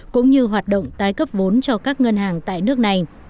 cũng như hoạt động tái cấp vốn cho các ngân hàng tại nước này